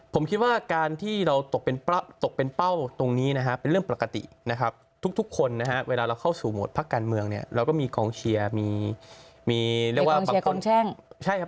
ผมคิดว่าการที่เราตกเป็นตกเป็นเป้าตรงนี้นะฮะเป็นเรื่องปกตินะครับทุกคนนะฮะเวลาเราเข้าสู่โหมดพักการเมืองเนี่ยเราก็มีกองเชียร์มีเรียกว่าบางคนแช่งใช่ครับ